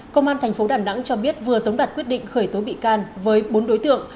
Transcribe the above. công an thành phố đà nẵng cho biết vừa tống đặt quyết định khởi tố bị can với bốn đối tượng